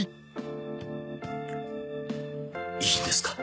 いいんですか？